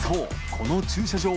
この駐車場